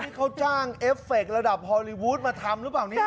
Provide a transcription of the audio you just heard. นี่เขาจ้างเอฟเฟคระดับฮอลลีวูดมาทำหรือเปล่าเนี่ย